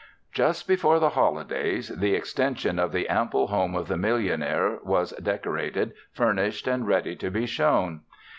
Just before the holidays, the extension of the ample home of the millionaire was decorated, furnished, and ready to be shown.